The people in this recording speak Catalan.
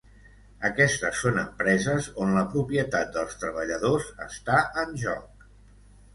Aquestes son empreses on la propietat dels treballadors està en joc.